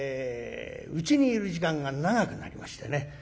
うちにいる時間が長くなりましてね